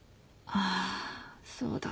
あそうだ。